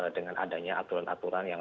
dengan adanya aturan aturan yang